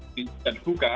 itu tidak dihukum